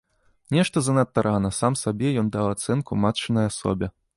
Нешта занадта рана, сам сабе, ён даў ацэнку матчынай асобе.